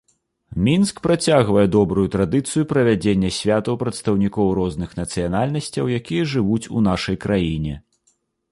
Мінск працягвае добрую традыцыю правядзення святаў прадстаўнікоў розных нацыянальнасцяў, якія жывуць у нашай краіне.